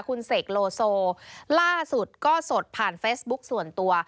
คุณเสกโลโซล่าสุดก็สดผ่านเฟซบุ๊คส่วนตัว